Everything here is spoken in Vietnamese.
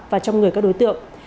và trong người các đối tượng